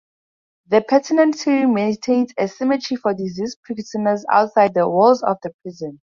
The penitentiary maintains a cemetery for deceased prisoners, outside the walls of the prison.